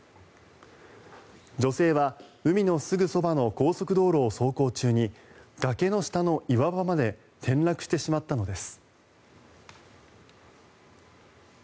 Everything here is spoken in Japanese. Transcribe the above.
女性は海のすぐそばの高速道路を走行中に崖の下の岩場まで転落してしまったのです。